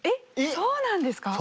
そうなんですか？